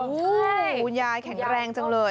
คุณยายแข็งแรงจังเลย